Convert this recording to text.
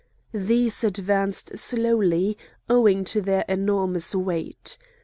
These advanced slowly owing to their enormous weight.